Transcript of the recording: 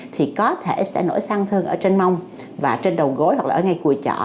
thì có thể sẽ nổi sang thương ở trên mông trên đầu gối hoặc là ở ngay cùi chỏ